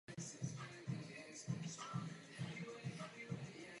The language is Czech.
Inspiroval svým příkladem vznik jiných katolicky orientovaných tiskáren.